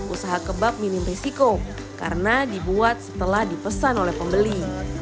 usaha kebab minim risiko karena dibuat setelah dipesan oleh pembeli